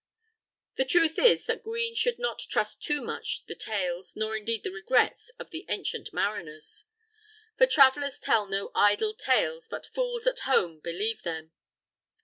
The truth is that Green should not trust too much the tales, nor indeed the regrets, of the ancient mariners. "For travellers tell no idle tales, But fools at home believe them."